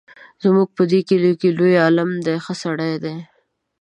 زموږ په دې کلي کې لوی عالم دی ښه سړی دی.